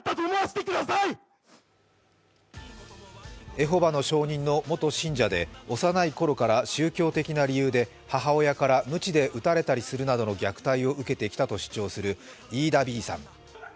エホバの証人の元信者で幼いころから宗教的な理由で母親からむちで打たれたりするなどの虐待を受けてきたと主張するｉｉｄａｂｉｉさん。